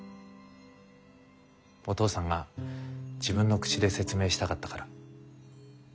お父さんが自分の口で説明したかったから。